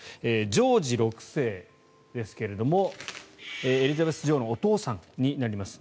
ジョージ６世ですがエリザベス女王のお父さんになります。